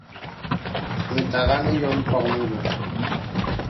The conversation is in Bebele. Mə̀tàghā nə yɔ̄m mpɔ̄k meboŋ.